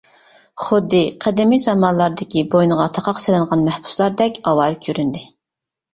خۇددى قەدىمىي زامانلاردىكى بوينىغا تاقاق سېلىنغان مەھبۇسلاردەك ئاۋارە كۆرۈندى.